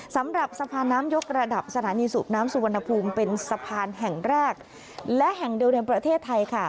สำหรับสะพานน้ำยกระดับสถานีสูบน้ำสุวรรณภูมิเป็นสะพานแห่งแรกและแห่งเดียวในประเทศไทยค่ะ